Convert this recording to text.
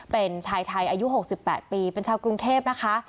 เป็นชายไทยอายุ๖๘ปีเป็นชาวกรุงเทพนะคะ